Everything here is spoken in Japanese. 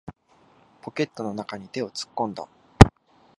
ポケットの中に手を突っ込んだ。